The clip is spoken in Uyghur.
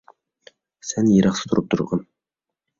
سەن يىراقتا تۇرۇپ تۇرغىن.